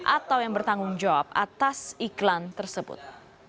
atau yang bertanggung jawab atas iklan tersebut